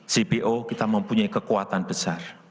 cpo kita mempunyai kekuatan besar